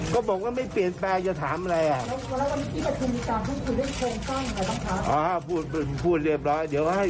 ก็บอกว่าไม่เปลี่ยนแปลงจะถามอะไรอ่าพูดพูดเรียบร้อยเดี๋ยวให้